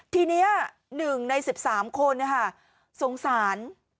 ทีนี้หนึ่งใน๑๓คนนะคะสงสาร